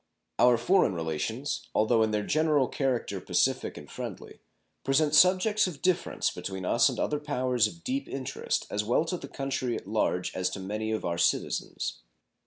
Our foreign relations, although in their general character pacific and friendly, present subjects of difference between us and other powers of deep interest as well to the country at large as to many of our citizens.